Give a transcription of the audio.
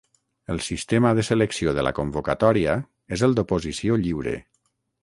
El sistema de selecció de la convocatòria és el d'oposició lliure.